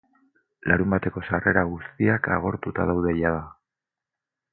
Larunbateko sarrera guztiak agortuta daude jada.